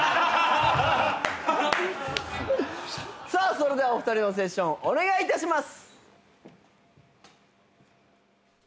それではお二人のセッションお願いいたします。